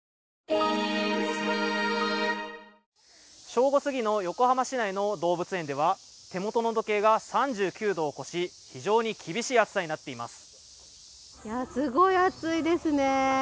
正午すぎの横浜市内の動物園では手元の時計が３９度を超し、非常に厳しい暑さになっています。